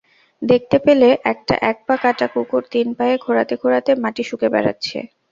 দেখতে পেলে একটা এক-পা-কাটা কুকুর তিন পায়ে খোঁড়াতে খোঁড়াতে মাটি শুঁকে বেড়াচ্ছে।